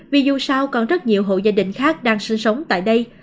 vì dù sao còn rất nhiều hộ gia đình khác đang sinh sống tại đây